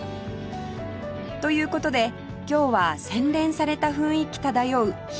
という事で今日は洗練された雰囲気漂う広尾へ